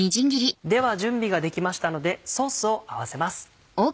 では準備ができましたのでソースを合わせます。